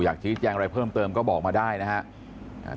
ชี้แจงอะไรเพิ่มเติมก็บอกมาได้นะครับ